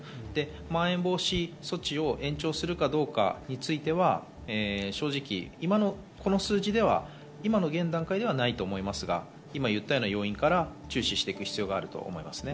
まん延防止措置を延長するかどうかについては、正直、今の数字ではないと思いますが、今、言ったような要因から注視していく必要はあると思います。